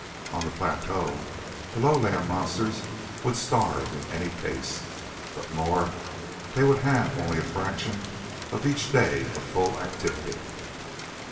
On the plateau, the lowland monsters would starve in any case. But more; they would have only a fraction of each day of full activity.